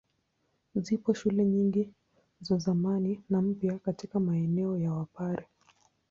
Zipo shule nyingi za zamani na mpya katika maeneo ya Wapare.